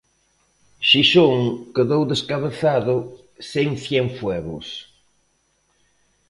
Xixón quedou descabezado sen Cienfuegos.